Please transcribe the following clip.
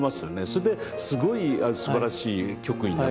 それですごいすばらしい曲になってる。